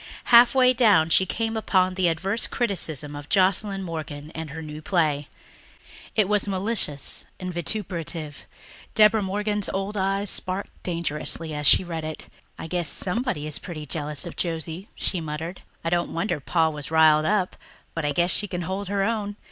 Halfway down she came upon an adverse criticism of Joscelyn Morgan and her new play. It was malicious and vituperative. Deborah Morgan's old eyes sparkled dangerously as she read it. "I guess somebody is pretty jealous of Josie," she muttered. "I don't wonder Pa was riled up. But I guess she can hold her own.